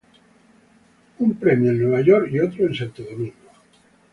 Un premio en Nueva York y otro en Santo Domingo.